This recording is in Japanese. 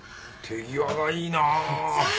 手際がいいなあ。